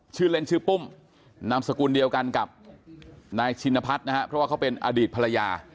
ชื่อเล่นชื่อปุ้มนามสกุลเดียวกันกับนายชินพัฒน์นะครับเพราะว่าเขาเป็นอดีตภรรยา